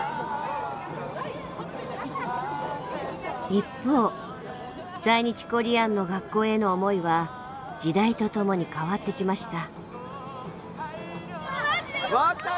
一方在日コリアンの学校への思いは時代とともに変わってきました。